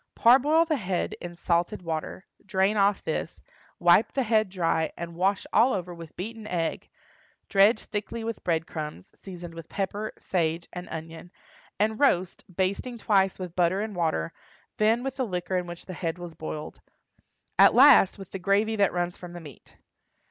Parboil the head in salted water, drain off this, wipe the head dry, and wash all over with beaten egg; dredge thickly with bread crumbs, seasoned with pepper, sage, and onion, and roast, basting twice with butter and water; then with the liquor in which the head was boiled; at last with the gravy that runs from the meat.